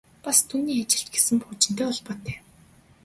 Бас түүний ажил ч гэсэн пуужинтай холбоотой.